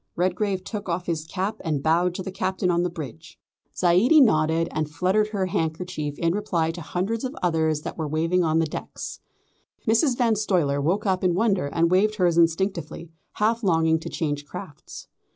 Redgrave took off his cap and bowed to the Captain on the bridge. Zaidie nodded and fluttered her handkerchief in reply to hundreds of others that were waving on the decks. Mrs. Van Stuyler woke up in wonder and waved hers instinctively, half longing to change crafts.